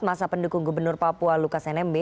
masa pendukung gubernur papua lukas nmb